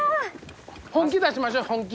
本気出しましょう本気。